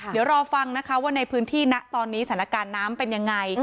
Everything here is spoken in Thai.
เดี๋ยวรอฟังนะคะว่าในพื้นที่นะตอนนี้สถานการณ์น้ำเป็นยังไง